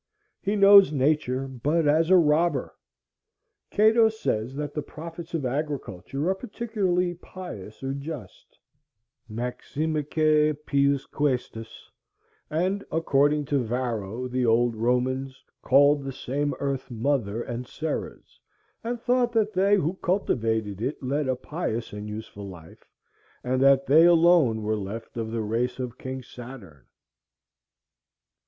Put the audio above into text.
He knows Nature but as a robber. Cato says that the profits of agriculture are particularly pious or just, (maximeque pius quæstus), and according to Varro the old Romans "called the same earth Mother and Ceres, and thought that they who cultivated it led a pious and useful life, and that they alone were left of the race of King Saturn."